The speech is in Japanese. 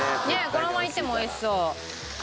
このままいっても美味しそう。